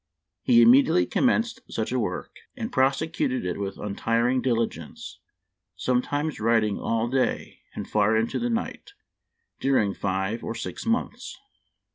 He immediately commenced such a work, and prosecuted it with untiring diligence, sometimes writing all day and far into the night during five or six months.